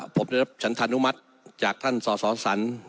ผมได้รับฉันธานุมัติจากท่านสสสัน